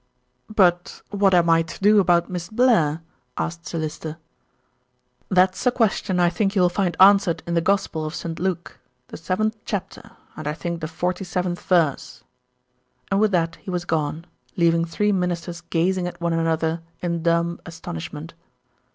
"But what am I to do about Miss Blair?" asked Sir Lyster. "That's a question I think you will find answered in the Gospel of St. Luke the seventh chapter and I think the forty seventh verse"; and with that he was gone, leaving three Ministers gazing at one another in dumb astonishment.